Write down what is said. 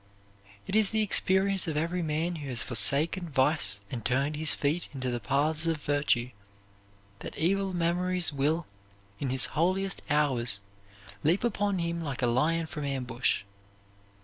It is the experience of every man who has forsaken vice and turned his feet into the paths of virtue that evil memories will, in his holiest hours, leap upon him like a lion from ambush.